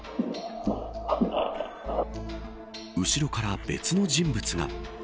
後ろから別の人物が。